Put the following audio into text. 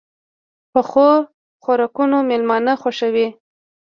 پخو خوراکونو مېلمانه خوښوي